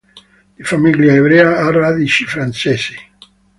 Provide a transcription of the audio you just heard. Di famiglia ebrea, ha radici francesi.